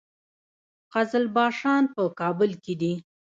قزلباشان په کابل کې دي؟